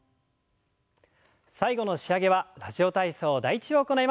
最後の仕上げは「ラジオ体操第１」を行います。